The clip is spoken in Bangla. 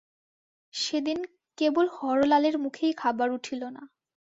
সেদিন কেবল হরলালের মুখেই খাবার উঠিল না।